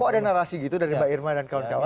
ada narasi gitu dari mbak irma dan kawan kawan